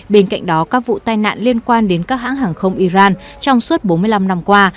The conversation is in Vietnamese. bên cạnh đó các vụ tai nạn liên quan đến các hãng hàng không iran trong suốt bốn mươi năm năm qua